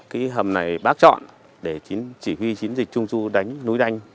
cái hầm này bác chọn để chỉ huy chiến dịch trung du đánh núi đanh